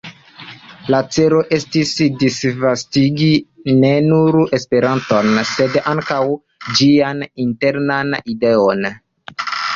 La celo estis disvastigi ne nur Esperanton, sed ankaŭ ĝian internan ideon.